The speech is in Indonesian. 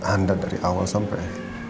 anda dari awal sampai